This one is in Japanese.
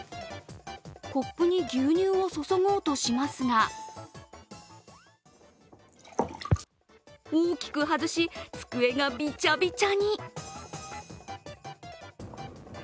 コップに牛乳を注ごうとしますが大きく外し、机がびちゃびちゃに。